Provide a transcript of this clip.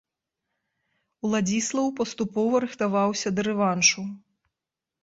Уладзіслаў паступова рыхтаваўся да рэваншу.